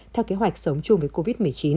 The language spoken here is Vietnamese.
theo kế hoạch sống chung với covid một mươi chín